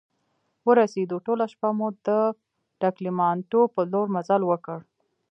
ورسیدو، ټوله شپه مو د ټګلیامنتو په لور مزل وکړ.